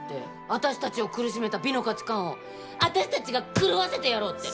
私たちを苦しめた美の価値観を私たちが狂わせてやろうって。